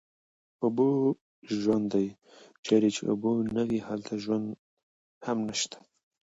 اوبه ژوند دی، چېرې چې اوبه نه وي هلته ژوند هم نشته